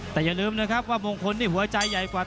แต่อย่าลืมนะครับว่ามงคลนี่หัวใจใหญ่กว่า